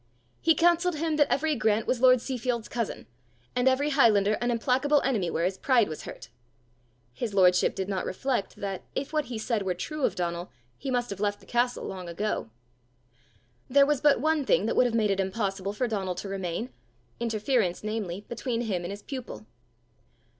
He counselled him that every Grant was lord Seafield's cousin, and every highlander an implacable enemy where his pride was hurt. His lordship did not reflect that, if what he said were true of Donal, he must have left the castle long ago. There was but one thing would have made it impossible for Donal to remain interference, namely, between him and his pupil.